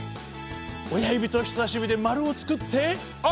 親指と人さし指で円をつくってＯＫ！